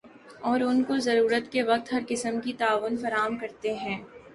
اور ان کو ضرورت کے وقت ہر قسم کی تعاون فراہم کرتے ہیں ۔